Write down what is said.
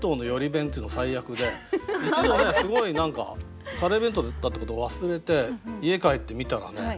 弁っていうのが最悪で一度ねすごいカレー弁当だってこと忘れて家帰って見たらね